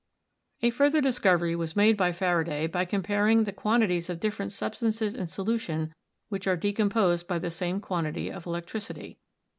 A further discovery was made by Faraday by com paring the quantities of different substances in solution which are decomposed by the same quantity of electricity.